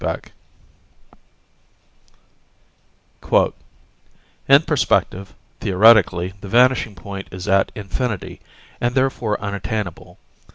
BECK _In perspective, theoretically the vanishing point is at infinity, and therefore unattainable.